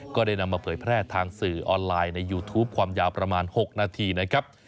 ก็ได้นำมาเผยแพร่ทางสื่อออนไลน์ในยูทูปความยาวประมาณ๖นาทีนะครับ